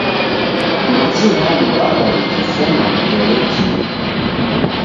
Machi ghaduagha ghikifuma mferejinyi